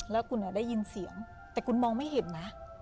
แล้วคุณได้ยินเสียงแต่คุณมองไม่เห็นนะ